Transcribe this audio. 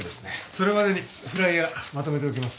それまでにフライヤーまとめておきます